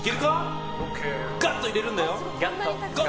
ガッと入れるんだよ。